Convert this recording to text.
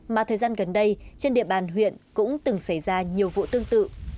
mà thời gian gần đây trên địa bàn huyện cũng từng xảy ra nhiều vụ tương tự